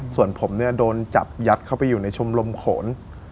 ส่วนผมเนี่ยโดนจับยัดเข้าไปอยู่ในชมรมโขน